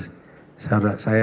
saya melihat kamu nangis ada letihnya